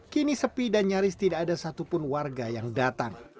kini sepi dan nyaris tidak ada satupun warga yang datang